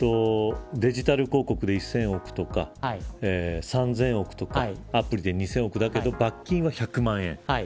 デジタル広告で１０００億とか３０００億とかアプリで２０００億だけど罰金は１００万円。